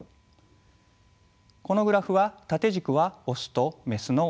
このグラフは縦軸はオスとメスの割合